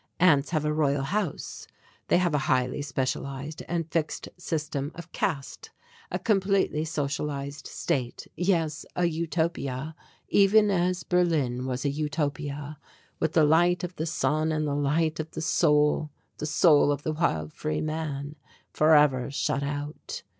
Ants have a royal house, they have a highly specialized and fixed system of caste, a completely socialized state yes, a Utopia even as Berlin was a Utopia, with the light of the sun and the light of the soul, the soul of the wild free man, forever shut out.